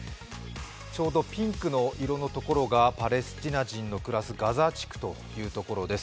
ちょうどピンクの色のところがパレスチナ人の暮らすガザ地区というところです。